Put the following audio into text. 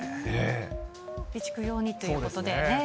備蓄用にということでね。